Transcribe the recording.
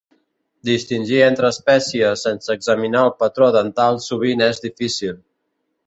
Distingir entre espècies sense examinar el patró dental sovint és difícil.